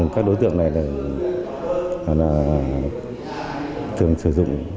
các đối tượng này thường sử dụng